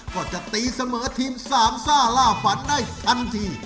ก็จะตีเสมอทีมสามซ่าล่าฝันได้ทันที